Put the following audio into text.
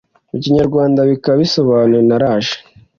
mu kinyarwanda bikaba bisobanuye “Naraje